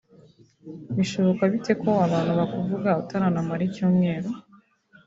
bishoboka bite ko abantu bakuvuga utaranamara icyumweru